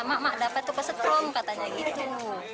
mak mak dapet tuh kesetrum katanya gitu